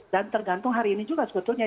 dan tergantung hari ini juga sebetulnya